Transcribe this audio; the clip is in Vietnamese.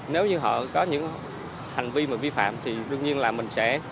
nếu như họ có những hành vi mà vi phạm thì đương nhiên là mình sẽ